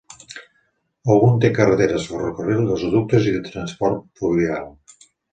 Ogun té carreteres, ferrocarril, gasoductes i transport fluvial.